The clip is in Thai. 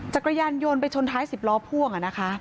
จักรยานยนต์ไปชนท้ายสิบล้อพ่วง